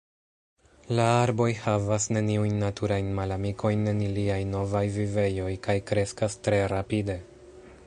La arboj havas neniujn naturajn malamikojn en iliaj novaj vivejoj kaj kreskas tre rapide.